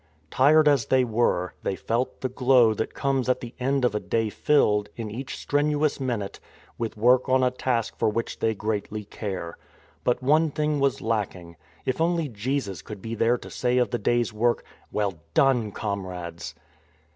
Tired, as they were, they felt the glow that comes at the end of a day filled, in each strenuous minute, with work on a task for which they greatly care. But one thing was lacking. If only Jesus could be there to say of the day's work :" Well done, comrades